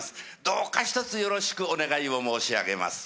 どうかひとつよろしくお願いを申し上げます。